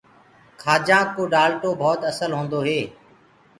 کآجآنٚ ڪو ڊآلٽو ڀوت اسل هوندو هي۔